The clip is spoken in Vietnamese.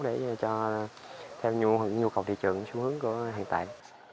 để cho theo nhu cầu thị trường xu hướng của hiện tại